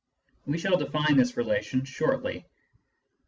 (We shall define this relation shortly.)